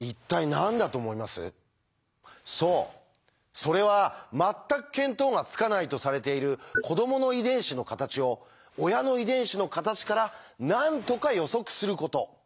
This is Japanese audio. そうそれは全く見当がつかないとされている“子ども”の遺伝子の形を親の遺伝子の形からなんとか予測すること。